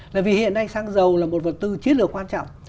là vì hiện nay xăng dầu là một vật tư chiến lược quan trọng